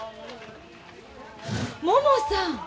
ももさん！